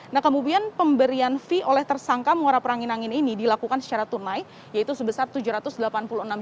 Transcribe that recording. nah kemudian pemberian fee oleh tersangka muara perangin angin ini dilakukan secara tunai yaitu sebesar tujuh ratus delapan puluh enam juta rupiah dan uang ini